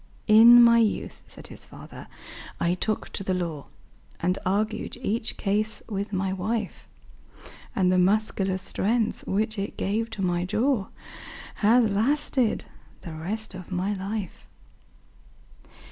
"In my youth," said his fater, "I took to the law, And argued each case with my wife; And the muscular strength, which it gave to my jaw, Has lasted the rest of my life."